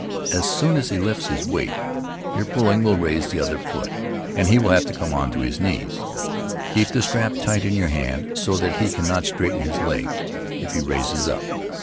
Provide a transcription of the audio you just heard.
As soon as he lifts his weight, your pulling will raise the other foot, and he will have to come on his knees. Keep the strap tight in your hand, so that he cannot straighten his leg if he raises up.